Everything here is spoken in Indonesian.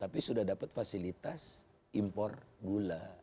tapi sudah dapat fasilitas impor gula